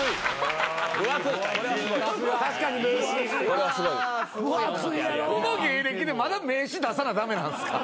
この芸歴でまだ名刺出さな駄目なんすか？